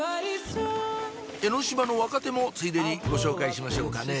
江ノ島の若手もついでにご紹介しましょうかね